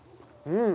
うん。